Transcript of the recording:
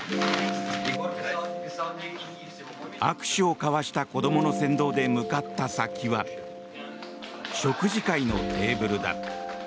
握手を交わした子どもの先導で向かった先は食事会のテーブルだ。